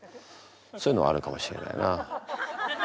そういうのあるかもしれないな。